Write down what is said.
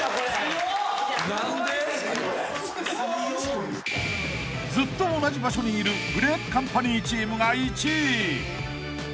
［ずっと同じ場所にいるグレープカンパニーチームが１位］